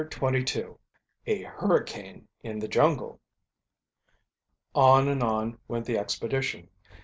CHAPTER XXII A HURRICANE IN THE JUNGLE On and on went the expedition.